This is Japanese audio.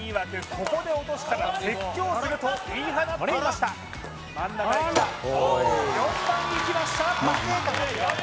ここで落としたら説教すると言い放っていました真ん中へきた４番いきました余裕！